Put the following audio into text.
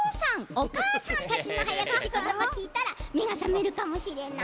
おかあさんたちのはやくちことばきいたらめがさめるかもしれない。